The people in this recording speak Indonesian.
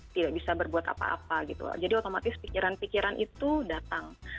tidak bisa berbuat apa apa gitu jadi otomatis pikiran pikiran itu datang